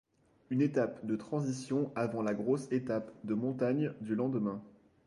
Une étape de transition avant la grosse étape de montagne du lendemain.